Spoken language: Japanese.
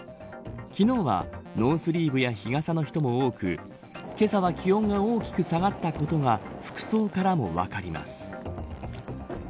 昨日はノースリーブや日傘の人も多くけさは気温が大きく下がったことが服装からも分かります。